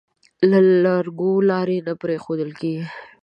لرګو لارۍ نه پرېښوول کېږي.